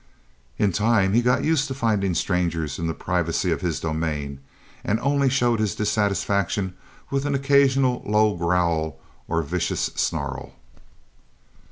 In time he got used to finding strangers in the privacy of his domain and only showed his dissatisfaction with an occasional low growl or a vicious snarl.